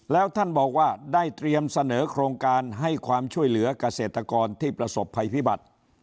แล้วท่านบอกว่าได้เตรียมเสนอโครงการให้ความช่วยเหลือกเกษตรกรที่ประสบภัยพิบัติ